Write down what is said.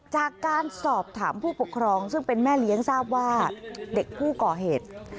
จากการสอบถามผู้ปกครองซึ่งเป็นแม่เลี้ยงทราบว่าเด็กผู้ก่อเหตุ